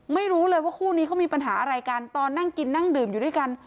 ไม่รู้เลยว่าคู่นี้เขามีปัญหาอะไรกันตอนนั่งกินนั่งดื่มอยู่ด้วยกัน